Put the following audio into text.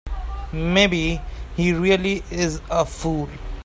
Maybe he really is a fool.